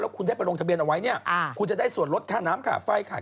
คุณได้ไปลงทะเบียนเอาไว้เนี่ยคุณจะได้ส่วนลดค่าน้ำค่าไฟค่ะ